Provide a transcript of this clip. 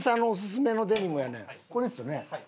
これですよね？